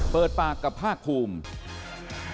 เปิดปากกับภาคภูมิ